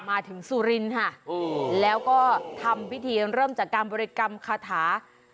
สุรินทร์ค่ะแล้วก็ทำพิธีเริ่มจากการบริกรรมคาถา